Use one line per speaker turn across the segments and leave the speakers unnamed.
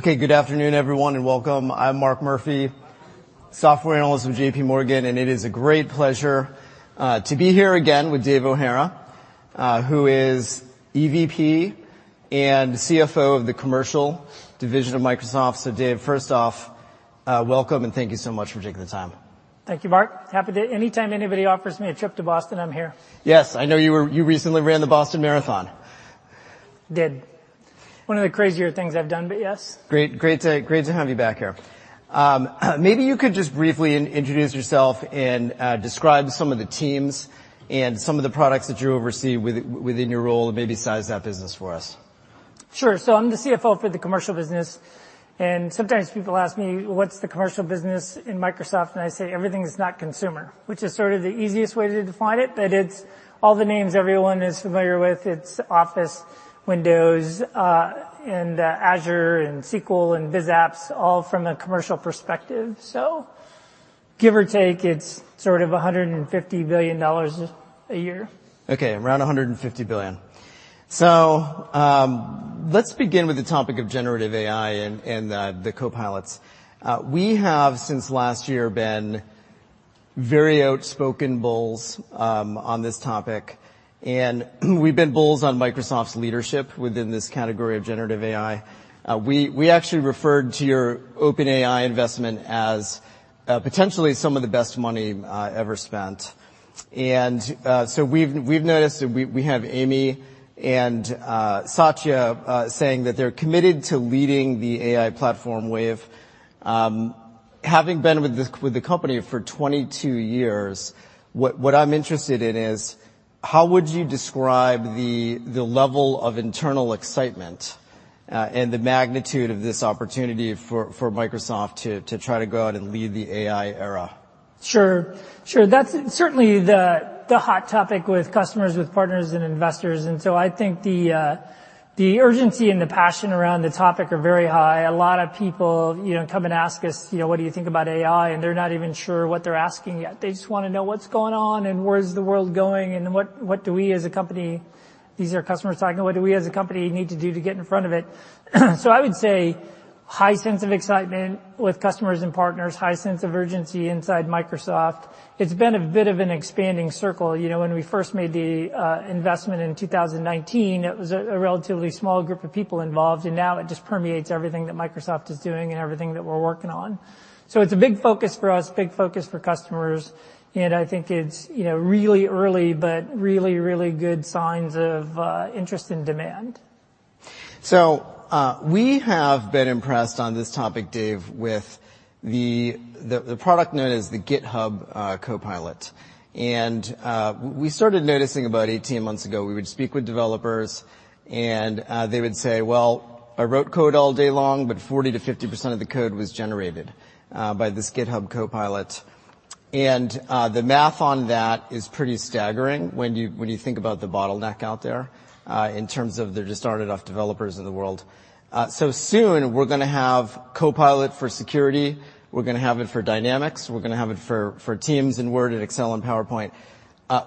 Good afternoon, everyone, and welcome. I'm Mark Murphy, Software Analyst with JPMorgan, and it is a great pleasure to be here again with Dave O'Hara, who is EVP and CFO of the Commercial Division of Microsoft. Dave, first off, welcome, and thank you so much for taking the time.
Thank you, Mark. Anytime anybody offers me a trip to Boston, I'm here.
Yes, I know you recently ran the Boston Marathon.
Did. One of the crazier things I've done, but yes.
Great to, great to have you back here. Maybe you could just briefly introduce yourself and describe some of the teams and some of the products that you oversee within your role and maybe size that business for us.
Sure. I'm the CFO for the Commercial business, and sometimes people ask me, "What's the Commercial business in Microsoft?" I say, "Everything that's not Consumer," which is sort of the easiest way to define it, but it's all the names everyone is familiar with. It's Office, Windows, and Azure and SQL and Biz Apps, all from a commercial perspective. Give or take, it's sort of $150 billion a year.
Around $150 billion. Let's begin with the topic of Generative AI and the Copilots. We have since last year been very outspoken bulls on this topic, and we've been bulls on Microsoft's leadership within this category of Generative AI. We actually referred to your OpenAI investment as potentially some of the best money ever spent. We've noticed. We have Amy and Satya saying that they're committed to leading the AI platform wave. Having been with the company for 22 years, what I'm interested in is how would you describe the level of internal excitement and the magnitude of this opportunity for Microsoft to try to go out and lead the AI era?
Sure. Sure. That's certainly the hot topic with customers, with partners, and investors. I think the urgency and the passion around the topic are very high. A lot of people, you know, come and ask us, you know, "What do you think about AI?" They're not even sure what they're asking yet. They just wanna know what's going on and where's the world going and what do we as a company, these are customers talking, what do we as a company need to do to get in front of it? I would say high sense of excitement with customers and partners, high sense of urgency inside Microsoft. It's been a bit of an expanding circle. You know, when we first made the investment in 2019, it was a relatively small group of people involved. Now it just permeates everything that Microsoft is doing and everything that we're working on. It's a big focus for us. Big focus for customers, and I think it's, you know, really early but really good signs of interest and demand.
We have been impressed on this topic, Dave, with the product known as the GitHub Copilot. We started noticing about 18 months ago, we would speak with developers and they would say, "Well, I wrote code all day long, but 40%-50% of the code was generated by this GitHub Copilot." The math on that is pretty staggering when you think about the bottleneck out there, in terms of there's just not enough developers in the world. Soon we're gonna have Copilot for Security, we're gonna have it for Dynamics, we're gonna have it for Teams and Word and Excel and PowerPoint.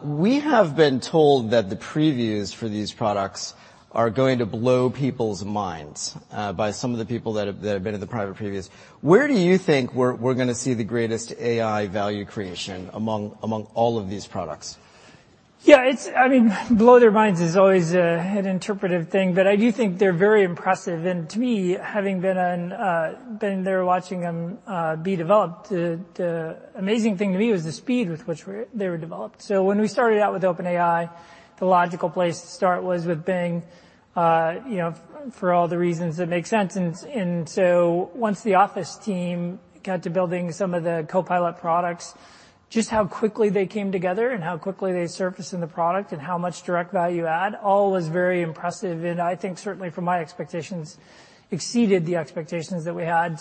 We have been told that the previews for these products are going to blow people's minds by some of the people that have been at the private previews. Where do you think we're gonna see the greatest AI value creation among all of these products?
Yeah. I mean, blow their minds is always an interpretive thing, but I do think they're very impressive. To me, having been there watching them be developed, the amazing thing to me was the speed with which they were developed. When we started out with OpenAI, the logical place to start was with Bing, you know, for all the reasons that make sense. Once the Office team got to building some of the Copilot products, just how quickly they came together and how quickly they surfaced in the product and how much direct value add all was very impressive. I think certainly from my expectations, exceeded the expectations that we had.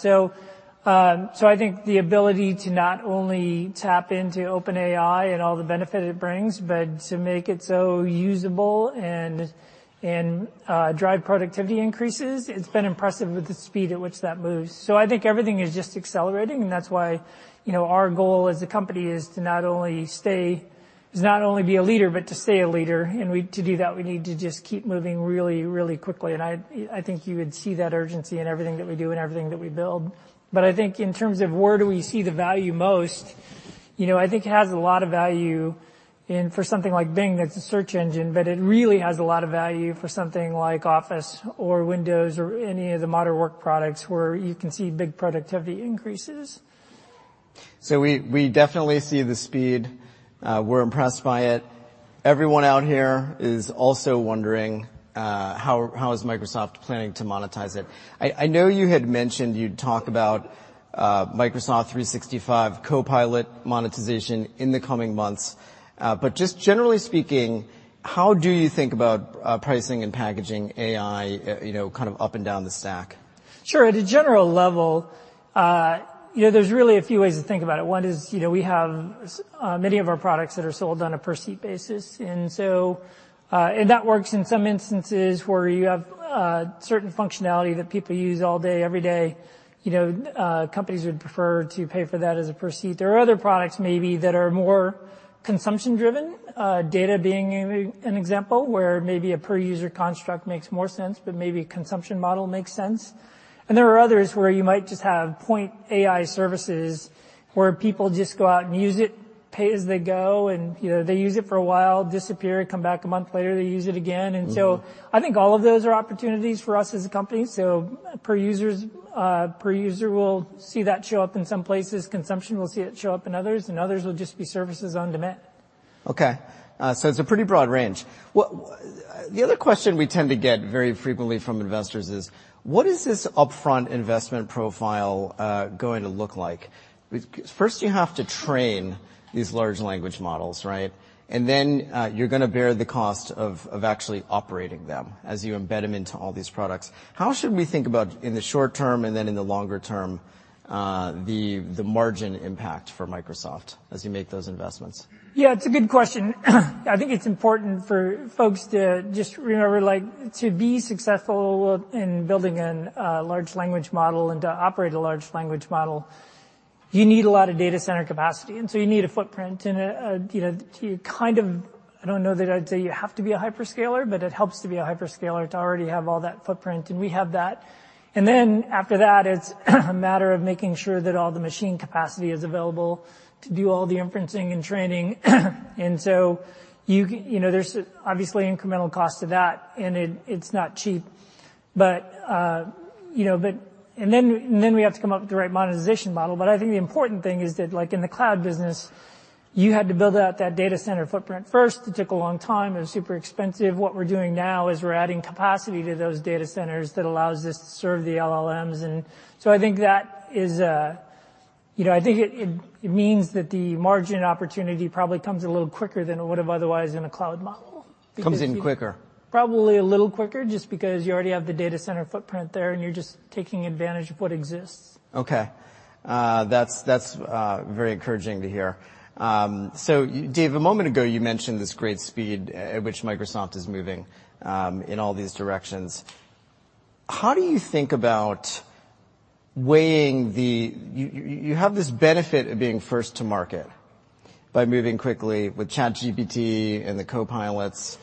I think the ability to not only tap into OpenAI and all the benefit it brings, but to make it so usable and drive Productivity increases, it's been impressive with the speed at which that moves. I think everything is just accelerating, and that's why, you know, our goal as a company is to not only be a leader, but to stay a leader. To do that, we need to just keep moving really, really quickly. I think you would see that urgency in everything that we do and everything that we build. I think in terms of where do we see the value most, you know, I think it has a lot of value for something like Bing that's a Search Engine, but it really has a lot of value for something like Office or Windows or any of the Modern Work products where you can see big Productivity increases.
We definitely see the speed. We're impressed by it. Everyone out here is also wondering how is Microsoft planning to monetize it? I know you had mentioned you'd talk about Microsoft 365 Copilot monetization in the coming months. Just generally speaking, how do you think about pricing and packaging AI, you know, kind of up and down the stack?
Sure. At a general level, you know, there's really a few ways to think about it. One is, you know, we have many of our products that are sold on a Per-Seat basis. That works in some instances where you have certain functionality that people use all day, every day. You know, companies would prefer to pay for that as a Per Seat. There are other products maybe that are more Consumption-Driven, data being an example where maybe a Per User construct makes more sense, but maybe a Consumption Model makes sense. There are others where you might just have point AI services where people just go out and use it, Pay-As-You-Go and, you know, they use it for a while, disappear, come back a month later, they use it again.
Mm-hmm.
I think all of those are opportunities for us as a company. Per User, we'll see that show up in some places. Consumption, we'll see it show up in others. Others will just be services on demand.
Okay. It's a pretty broad range. The other question we tend to get very frequently from investors is, what is this upfront investment profile going to look like? First you have to train these Large Language Models, right? You're gonna bear the cost of actually operating them as you embed them into all these products. How should we think about, in the short term and then in the longer term, the Margin impact for Microsoft as you make those investments?
Yeah, it's a good question. I think it's important for folks to just remember, like, to be successful in building an Large Language Model and to operate a Large Language Model, you need a lot of Data Center capacity. You need a footprint. You know, I don't know that I'd say you have to be a Hyperscaler, but it helps to be a Hyperscaler to already have all that footprint. We have that. After that, it's a matter of making sure that all the machine capacity is available to do all the Inferencing and Training. You know, there's obviously incremental cost to that, it's not cheap. You know, we have to come up with the right Monetization Model. I think the important thing is that, like in the Cloud business, you had to build out that Data Center footprint first. It took a long time. It was super expensive. What we're doing now is we're adding capacity to those Data Centers that allows us to serve the LLMs. I think that is, you know, I think it means that the Margin opportunity probably comes a little quicker than it would have otherwise in a Cloud Model.
Comes in quicker.
Probably a little quicker, just because you already have the Data Center footprint there, and you're just taking advantage of what exists.
Okay. That's very encouraging to hear. Dave, a moment ago you mentioned this great speed at which Microsoft is moving in all these directions. How do you think about weighing the... You have this benefit of being first to market by moving quickly with ChatGPT and the Copilots.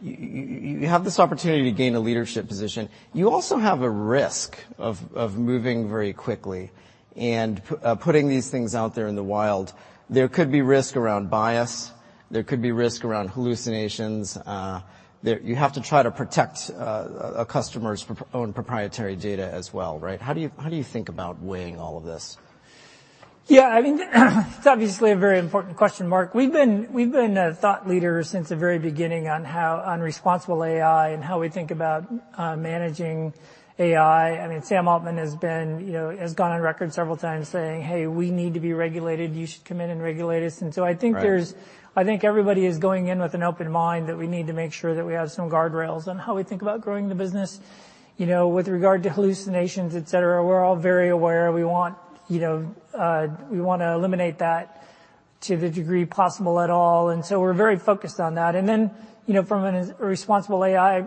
You have this opportunity to gain a leadership position. You also have a risk of moving very quickly and putting these things out there in the wild. There could be risk around Bias. There could be risk around Hallucinations. You have to try to protect a customer's own proprietary Data as well, right? How do you think about weighing all of this?
Yeah, I mean, it's obviously a very important question, Mark. We've been a thought leader since the very beginning on Responsible AI and how we think about managing AI. I mean, Sam Altman has been, you know, has gone on record several times saying, "Hey, we need to be regulated. You should come in and regulate us." I think.
Right.
There's I think everybody is going in with an open mind that we need to make sure that we have some Guardrails on how we think about growing the business. You know, with regard to Hallucinations, et cetera, we're all very aware. We want, you know, we wanna eliminate that to the degree possible at all. So we're very focused on that. You know, from a Responsible AI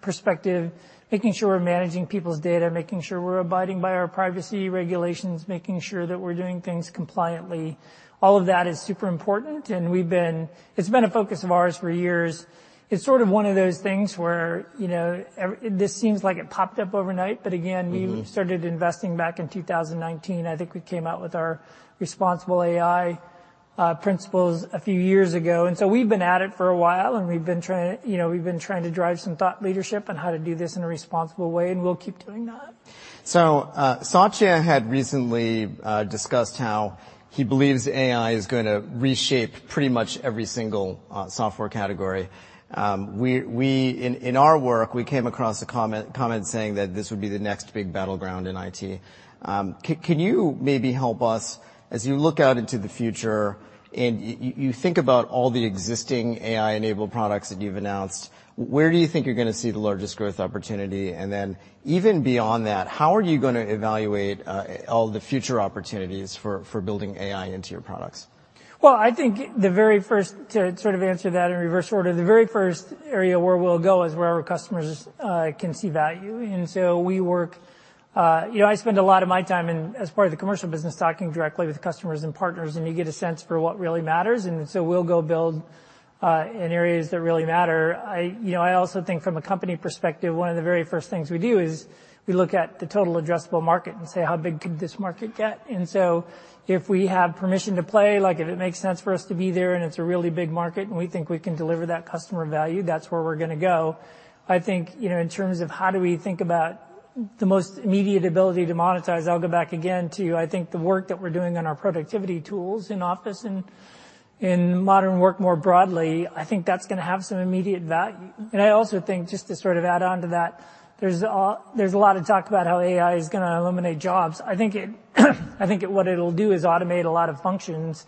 perspective, making sure we're managing people's Data, making sure we're abiding by our privacy regulations, making sure that we're doing things compliantly, all of that is super important, and It's been a focus of ours for years. It's sort of one of those things where, you know, this seems like it popped up overnight, but again-
Mm-hmm.
We started investing back in 2019. I think we came out with our Responsible AI Principles a few years ago. We've been at it for a while, and we've been trying, you know, to drive some thought leadership on how to do this in a responsible way. We'll keep doing that.
Satya had recently discussed how he believes AI is gonna reshape pretty much every single software category. We, in our work, we came across a comment saying that this would be the next big battleground in IT. Can you maybe help us, as you look out into the future and you think about all the existing AI-Enabled products that you've announced, where do you think you're gonna see the largest growth opportunity? Even beyond that, how are you gonna evaluate all the future opportunities for building AI into your products?
Well, I think to sort of answer that in reverse order, the very first area where we'll go is where our customers can see value. We work, you know, I spend a lot of my time in, as part of the Commercial business, talking directly with customers and partners, and you get a sense for what really matters. We'll go build in areas that really matter. I, you know, I also think from a company perspective, one of the very first things we do is we look at the Total Addressable Market and say, "How big could this market get?" If we have permission to play, like if it makes sense for us to be there and it's a really big market and we think we can deliver that customer value, that's where we're gonna go. I think, you know, in terms of how do we think about the most immediate ability to monetize, I'll go back again to, I think, the work that we're doing on our Productivity tools in Office and in Modern Work more broadly. I think that's gonna have some immediate value. I also think, just to sort of add on to that, there's a lot of talk about how AI is gonna eliminate jobs. I think what it'll do is automate a lot of functions,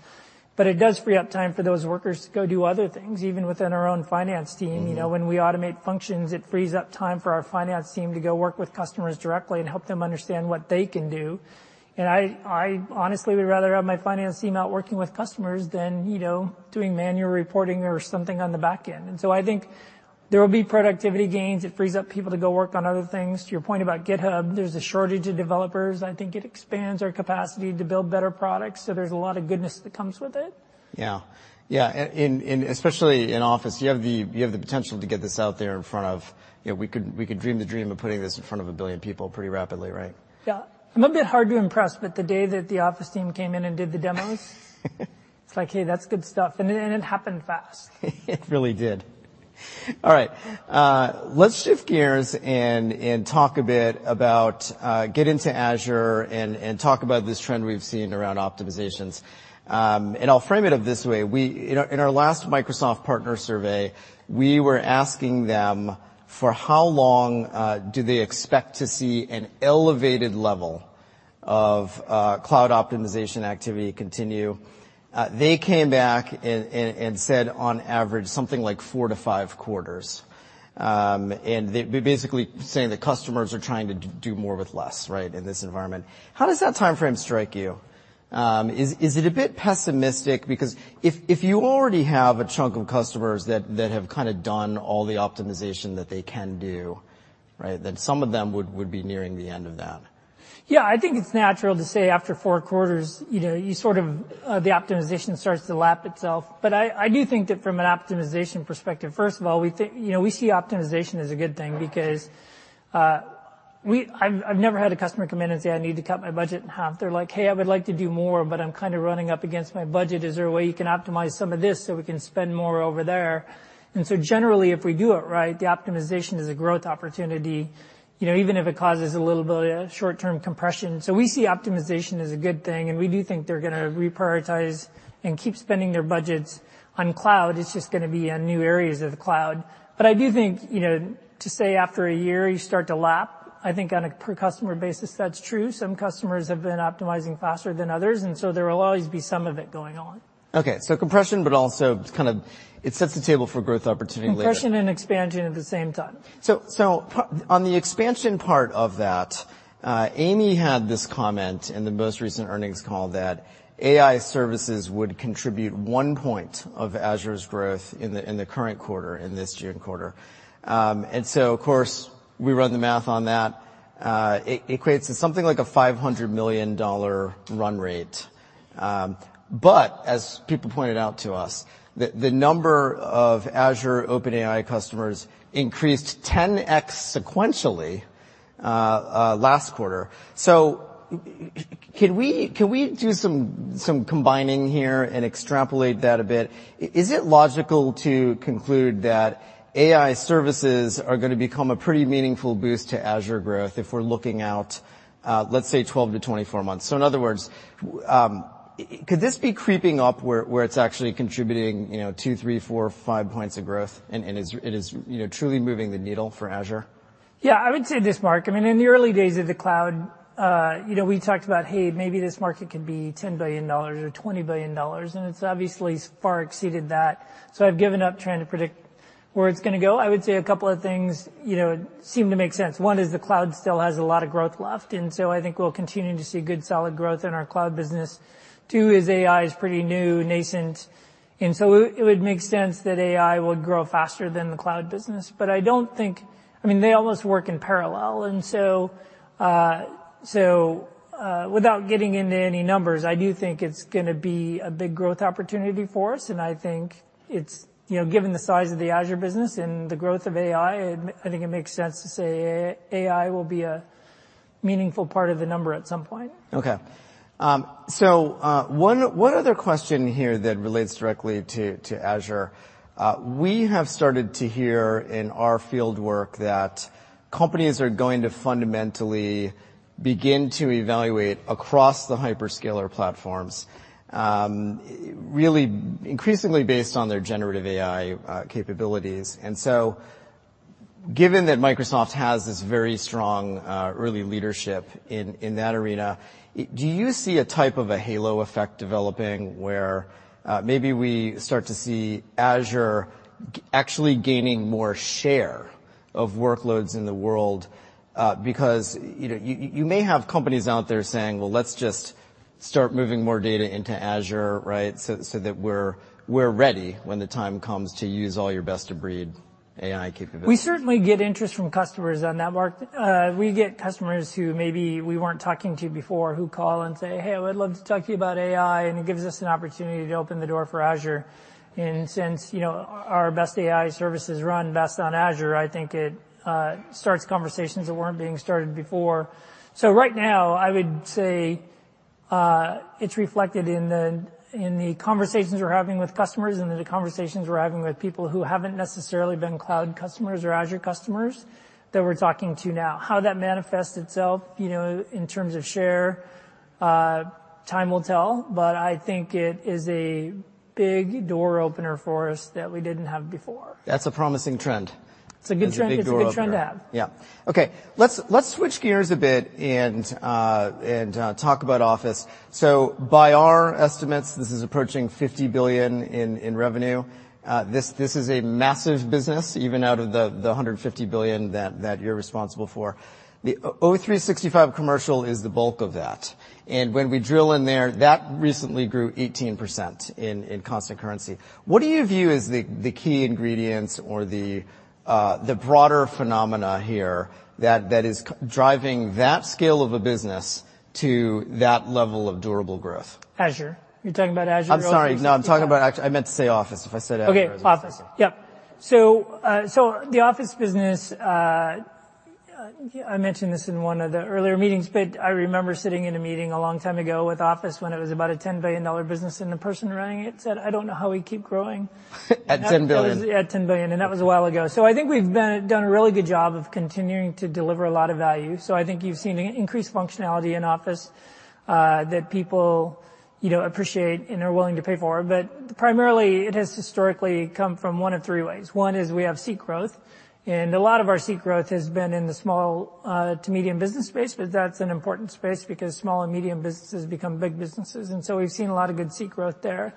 but it does free up time for those workers to go do other things, even within our own Finance team.
Mm-hmm.
You know, when we automate functions, it frees up time for our Finance team to go work with customers directly and help them understand what they can do. I honestly would rather have my Finance team out working with customers than, you know, doing manual reporting or something on the Back End. I think there will be Productivity gains. It frees up people to go work on other things. To your point about GitHub, there's a shortage of developers. I think it expands our capacity to build better products. There's a lot of goodness that comes with it.
Yeah. Yeah. Especially in Office, you have the potential to get this out there in front of... You know, we could dream the dream of putting this in front of 1 billion people pretty rapidly, right?
Yeah. I'm a bit hard to impress, but the day that the Office team came in and did the demos. It's like, "Hey, that's good stuff." It happened fast.
It really did. All right. Let's shift gears and talk a bit about, get into Azure and talk about this trend we've seen around Optimizations. I'll frame it of this way. In our last Microsoft Partner Survey, we were asking them for how long, do they expect to see an elevated level of Cloud Optimization activity continue. They came back and said on average something like four-five quarters. They're basically saying the customers are trying to do more with less, right, in this environment. How does that timeframe strike you? Is it a bit pessimistic? If you already have a chunk of customers that have kind of done all the Optimization that they can do, right, then some of them would be nearing the end of that.
Yeah. I think it's natural to say after fourth quarters, you know, you sort of, the Optimization starts to lap itself. I do think that from an Optimization perspective, first of all, you know, we see Optimization as a good thing because I've never had a customer come in and say, "I need to cut my budget in half." They're like, "Hey, I would like to do more, but I'm kind of running up against my budget. Is there a way you can optimize some of this, so we can spend more over there?" Generally, if we do it right, the Optimization is a growth opportunity, you know, even if it causes a little bit of short-term Compression. We see Optimization as a good thing, and we do think they're gonna reprioritize and keep spending their budgets on Cloud. It's just gonna be on new areas of the Cloud. I do think, you know, to say after a year you start to lap, I think on a Per-Customer basis that's true. Some customers have been optimizing faster than others, there will always be some of it going on.
Okay. Compression, but also to kind of... It sets the table for growth opportunity later.
Compression and Expansion at the same time.
On the Expansion part of that, Amy had this comment in the most recent Earnings Call that AI Services would contribute one point of Azure's growth in the current quarter, in this June quarter. Of course, we run the math on that. It equates to something like a $500 million Run Rate. As people pointed out to us, the number of Azure OpenAI customers increased 10x sequentially last quarter. Can we do some combining here and extrapolate that a bit? Is it logical to conclude that AI Services are gonna become a pretty meaningful boost to Azure growth if we're looking out, let's say 12-24 months? In other words, could this be creeping up where it's actually contributing, you know, two, three, four, five points of growth and is, it is, you know, truly moving the needle for Azure?
Yeah. I would say this, Mark. I mean, in the early days of the Cloud, you know, we talked about, "Hey, maybe this market could be $10 billion or $20 billion," and it's obviously far exceeded that. I've given up trying to predict where it's gonna go. I would say a couple of things, you know, seem to make sense. One is the Cloud still has a lot of growth left, I think we'll continue to see good, solid growth in our Cloud business. Two is AI is pretty new, nascent, It would make sense that AI would grow faster than the Cloud business. I mean, they almost work in parallel. Without getting into any numbers, I do think it's gonna be a big growth opportunity for us, and I think it's, you know, given the size of the Azure business and the growth of AI, I think it makes sense to say AI will be a meaningful part of the number at some point.
Okay. one other question here that relates directly to Azure. We have started to hear in our field work that companies are going to fundamentally begin to evaluate across the Hyperscaler platforms, really increasingly based on their Generative AI capabilities. Given that Microsoft has this very strong early leadership in that arena, do you see a type of a Halo Effect developing, where maybe we start to see Azure actually gaining more share of Workloads in the world? Because, you know, you may have companies out there saying, "Well, let's just start moving more Data into Azure, right, so that we're ready when the time comes to use all your Best-of-Breed AI capabilities.
We certainly get interest from customers on that, Mark. We get customers who maybe we weren't talking to before who call and say, "Hey, I would love to talk to you about AI," and it gives us an opportunity to open the door for Azure. Since, you know, our best AI services run best on Azure, I think it starts conversations that weren't being started before. Right now I would say it's reflected in the, in the conversations we're having with customers and in the conversations we're having with people who haven't necessarily been Cloud customers or Azure customers that we're talking to now. How that manifests itself, you know, in terms of share, time will tell, but I think it is a big door opener for us that we didn't have before.
That's a promising trend.
It's a good trend.
That's a good door opener....
it's a good trend to have.
Yeah. Okay. Let's switch gears a bit and talk about Office. By our estimates, this is approaching $50 billion in Revenue. This is a massive business even out of the $150 billion that you're responsible for. The O365 Commercial is the bulk of that. When we drill in there, that recently grew 18% in Constant Currency. What do you view as the key ingredients or the broader phenomena here that is driving that scale of a business to that level of durable growth?
Azure. You're talking about Azure-
I'm sorry. No, I'm talking about I meant to say Office. If I said Azure, I apologize.
Okay. Office. Yep. The Office business, I mentioned this in one of the earlier meetings, but I remember sitting in a meeting a long time ago with Office when it was about a $10 billion business, and the person running it said, "I don't know how we keep growing.
At $10 billion.
At $10 billion, that was a while ago. I think we've done a really good job of continuing to deliver a lot of value. I think you've seen increased functionality in Office that people, you know, appreciate and are willing to pay for. Primarily, it has historically come from one of three ways. One is we have Seat Growth, and a lot of our Seat Growth has been in the Small to Medium Business space, but that's an important space because Small and Medium Businesses become big businesses. We've seen a lot of good Seat Growth there.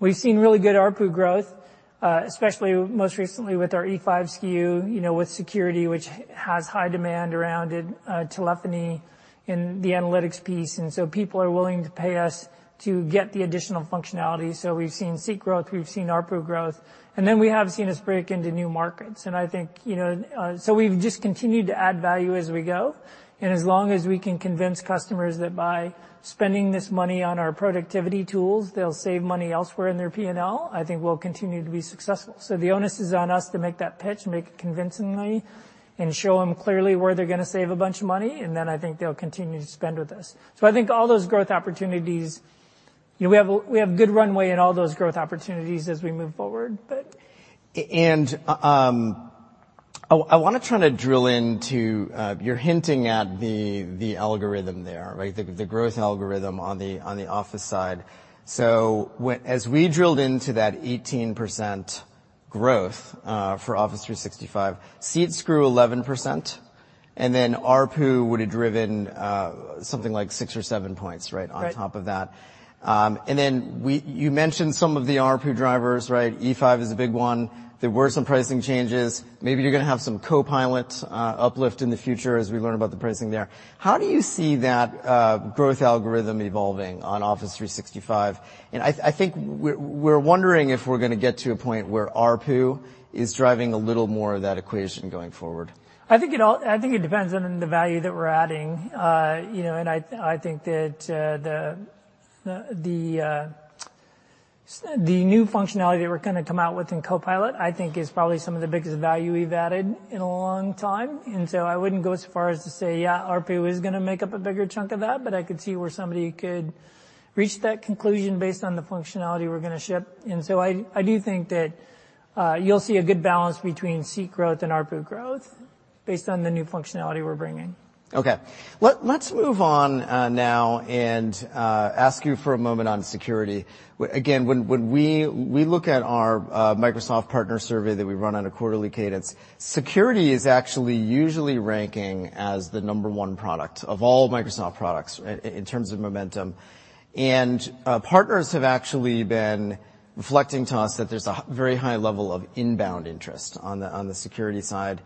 We've seen really good ARPU growth, especially most recently with our E5 SKU, you know, with Security, which has high demand around it, Telephony and the Analytics piece. People are willing to pay us to get the additional functionality. We've seen Seat Growth, we've seen ARPU growth, then we have seen us break into new markets. I think, you know. We've just continued to add value as we go. As long as we can convince customers that by spending this money on our Productivity tools, they'll save money elsewhere in their P&L, I think we'll continue to be successful. The onus is on us to make that pitch, make it convincingly, and show 'em clearly where they're gonna save a bunch of money, then I think they'll continue to spend with us. I think all those growth opportunities, you know, we have good runway in all those growth opportunities as we move forward, but.
I wanna try to drill into, you're hinting at the algorithm there, right? The growth algorithm on the Office side. As we drilled into that 18% growth for Office 365, Seats grew 11%, and then ARPU would've driven something like six or seven points.
Right.
on top of that. Then you mentioned some of the ARPU drivers, right? E5 is a big one. There were some pricing changes. Maybe you're gonna have some Copilot uplift in the future as we learn about the pricing there. How do you see that growth algorithm evolving on Office 365? I think we're wondering if we're gonna get to a point where ARPU is driving a little more of that equation going forward.
I think it depends on the value that we're adding. you know, I think that the new functionality that we're gonna come out with in Copilot, I think is probably some of the biggest value we've added in a long time. I wouldn't go as far as to say, yeah, ARPU is gonna make up a bigger chunk of that, but I could see where somebody could reach that conclusion based on the functionality we're gonna ship. I do think that you'll see a good balance between Seat Growth and ARPU growth based on the new functionality we're bringing.
Okay. Let's move on now and ask you for a moment on Security. Again, when we look at our Microsoft Partner Survey that we run on a quarterly cadence, Security is actually usually ranking as the number one product of all Microsoft products in terms of momentum. Partners have actually been reflecting to us that there's a very high level of inbound interest on the Security side.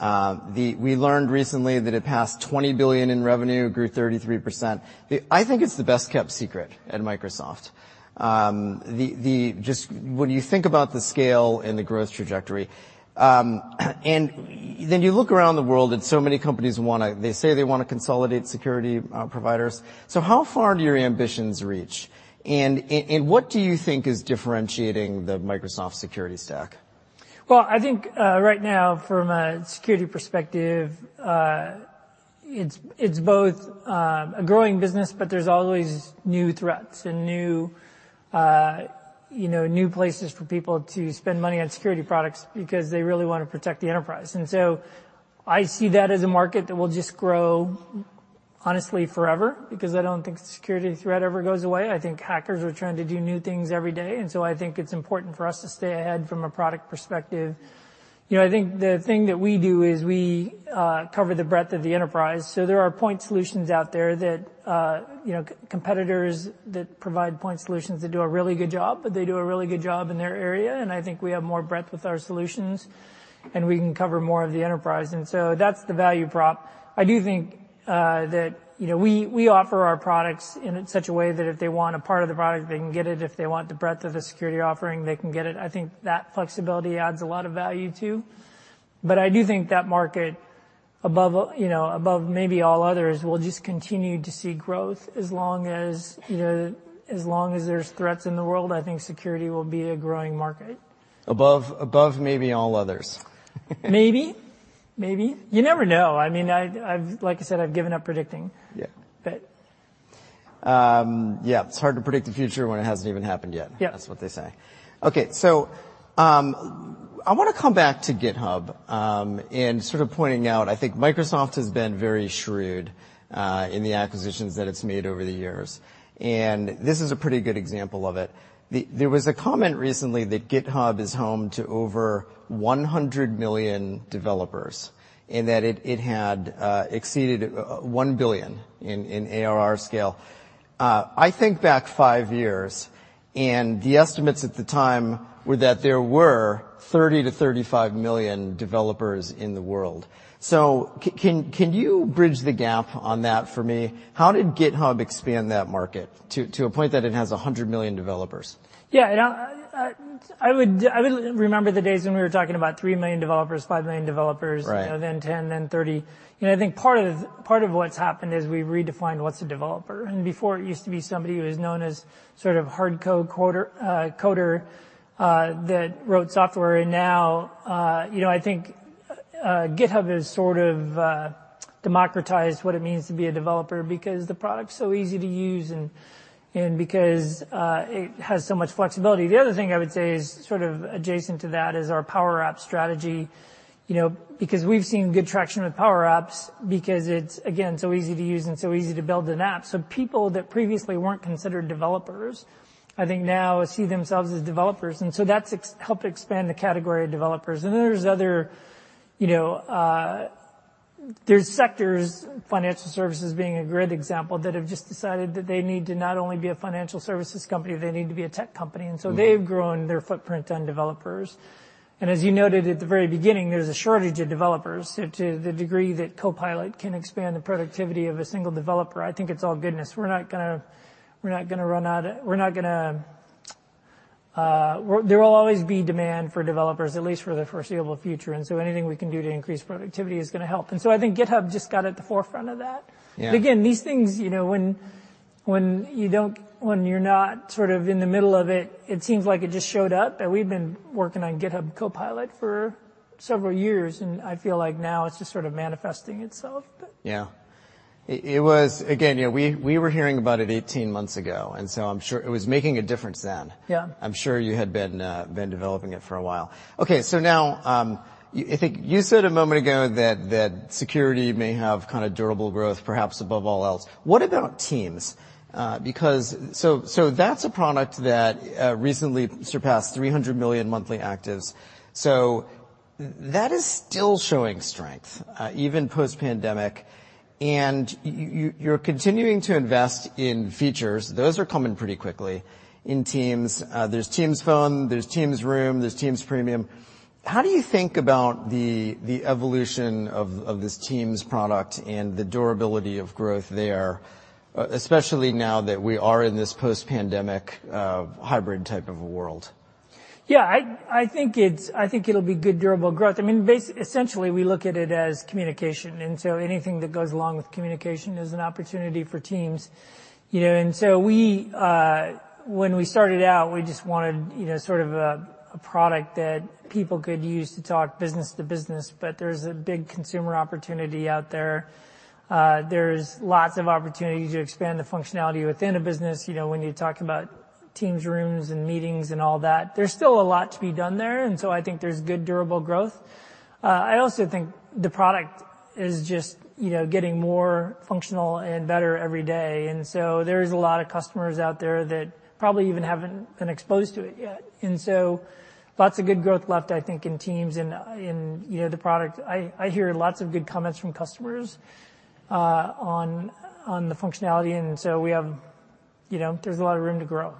We learned recently that it passed $20 billion in Revenue, grew 33%. I think it's the best-kept secret at Microsoft. Just when you think about the scale and the growth trajectory, and then you look around the world and so many companies wanna consolidate Security Providers. How far do your ambitions reach? What do you think is differentiating the Microsoft Security Stack?
Well, I think, right now from a Security perspective, it's both a growing business, but there's always new threats and new, you know, new places for people to spend money on Security products because they really wanna protect the Enterprise. I see that as a market that will just grow honestly forever, because I don't think the Security threat ever goes away. I think hackers are trying to do new things every day. I think it's important for us to stay ahead from a product perspective. You know, I think the thing that we do is we cover the breadth of the Enterprise. There are Point Solutions out there that, you know, competitors that provide Point Solutions that do a really good job, but they do a really good job in their area. I think we have more breadth with our solutions, and we can cover more of the Enterprise. That's the Value Prop. I do think that, you know, we offer our products in such a way that if they want a part of the product, they can get it. If they want the breadth of a Security offering, they can get it. I think that flexibility adds a lot of value, too. I do think that market above, you know, above maybe all others, will just continue to see growth as long as, you know, as long as there's threats in the world, I think Security will be a growing market.
Above maybe all others.
Maybe. Maybe. You never know. I mean, I've, like I said, I've given up predicting.
Yeah.
But...
Yeah, it's hard to predict the future when it hasn't even happened yet.
Yeah.
That's what they say. Okay, I wanna come back to GitHub, sort of pointing out, I think Microsoft has been very shrewd in the acquisitions that it's made over the years, this is a pretty good example of it. There was a comment recently that GitHub is home to over 100 million developers, that it had exceeded $1 billion in ARR scale. I think back five years, the estimates at the time were that there were 30 million-35 million developers in the world. Can you bridge the gap on that for me? How did GitHub expand that market to a point that it has 100 million developers?
Yeah. You know, I would remember the days when we were talking about 3 million developers, 5 million developers.
Right.
-you know, then 10, then 30. You know, I think part of what's happened is we've redefined what's a developer. Before it used to be somebody who was known as sort of Hard Code Coder that wrote software, and now, you know, I think GitHub has sort of democratized what it means to be a developer because the product's so easy to use and because it has so much flexibility. The other thing I would say is sort of adjacent to that is our Power Apps strategy, you know, because we've seen good traction with Power Apps because it's, again, so easy to use and so easy to build an app. People that previously weren't considered developers I think now see themselves as developers. That's helped expand the category of developers. Then there's other, you know, there's sectors, Financial Services being a great example, that have just decided that they need to not only be a Financial Services company, they need to be a Tech company.
Mm-hmm.
They've grown their footprint on developers. As you noted at the very beginning, there's a shortage of developers. To the degree that Copilot can expand the Productivity of a single developer, I think it's all goodness. There will always be demand for developers, at least for the foreseeable future, and so anything we can do to increase Productivity is gonna help. I think GitHub just got at the forefront of that.
Yeah.
Again, these things, you know, when you don't, when you're not sort of in the middle of it seems like it just showed up. We've been working on GitHub Copilot for several years. I feel like now it's just sort of manifesting itself.
Yeah. It was. Again, you know, we were hearing about it 18 months ago, I'm sure it was making a difference then.
Yeah.
I'm sure you had been developing it for a while. Now I think you said a moment ago that Security may have kinda durable growth, perhaps above all else. What about Teams? Because that's a product that recently surpassed 300 million monthly actives, so that is still showing strength even Post-Pandemic. You're continuing to invest in features. Those are coming pretty quickly in Teams. There's Teams Phone, there's Teams Room, there's Teams Premium. How do you think about the evolution of this Teams product and the durability of growth there, especially now that we are in this Post-Pandemic Hybrid type of a world?
Yeah. I think it's, I think it'll be good durable growth. I mean, essentially we look at it as communication, and so anything that goes along with communication is an opportunity for Teams. You know, we when we started out, we just wanted, you know, sort of a product that people could use to talk Business-to-Business, but there's a big Consumer opportunity out there. There's lots of opportunities to expand the functionality within a business, you know, when you talk about Teams Rooms and meetings and all that. There's still a lot to be done there, and so I think there's good durable growth. I also think the product is just, you know, getting more functional and better every day, and so there's a lot of customers out there that probably even haven't been exposed to it yet. Lots of good growth left, I think, in Teams and, you know, the product. I hear lots of good comments from customers, on the functionality, and so we have, you know, there's a lot of room to grow.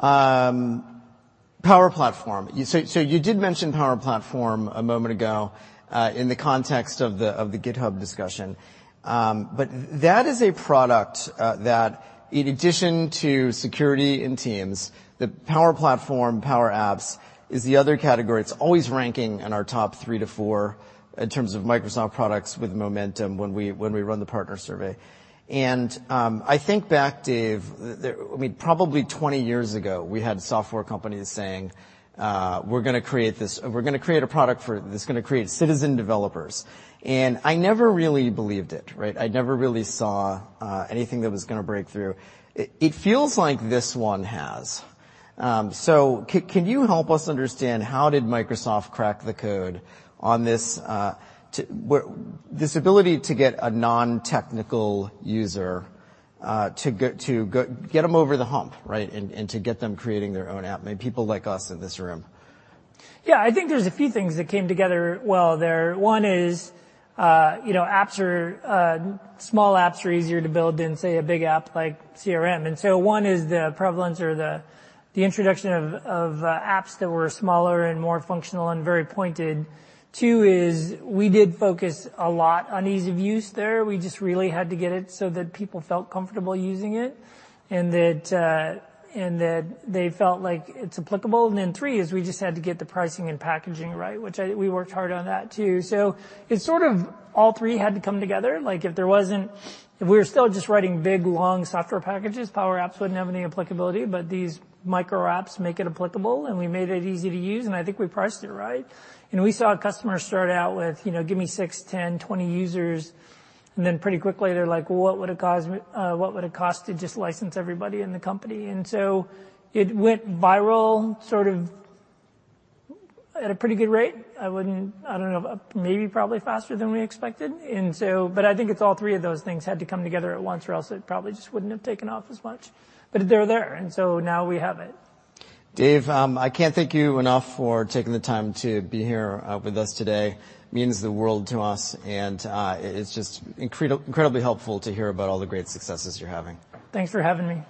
Power Platform. You did mention Power Platform a moment ago, in the context of the GitHub discussion. That is a product that in addition to Security and Teams, the Power Platform, Power Apps is the other category. It's always ranking in our top three to four in terms of Microsoft products with momentum when we run the Partner Survey. I think back, Dave, I mean, probably 20 years ago, we had software companies saying, "We're gonna create a product for that's gonna create Citizen Developers." I never really believed it, right? I never really saw anything that was gonna break through. It feels like this one has. Can you help us understand, how did Microsoft crack the code on this ability to get a Non-Technical User, get them over the hump, right? To get them creating their own app. I mean, people like us in this room.
I think there's a few things that came together well there. One is, you know, apps are small apps are easier to build than, say, a big app like CRM. One is the prevalence or the introduction of apps that were smaller and more functional and very pointed. Two is we did focus a lot on Ease of Use there. We just really had to get it so that people felt comfortable using it, and that they felt like it's applicable. Three is we just had to get the pricing and packaging right, which I think we worked hard on that too. It's sort of all three had to come together. If we were still just writing big, long software packages, Power Apps wouldn't have any applicability, but these Micro apps make it applicable, and we made it easy to use, and I think we priced it right. We saw customers start out with, you know, give me six, 10, 20 users, and then pretty quickly they're like, "Well, what would it cost to just license everybody in the company?" It went viral, sort of at a pretty good rate. I don't know, maybe probably faster than we expected. I think it's all three of those things had to come together at once, or else it probably just wouldn't have taken off as much. They're there, and so now we have it.
Dave, I can't thank you enough for taking the time to be here with us today. Means the world to us. It's just incredibly helpful to hear about all the great successes you're having.
Thanks for having me.